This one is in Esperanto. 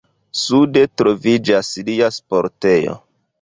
Sude troviĝas lia sportejo.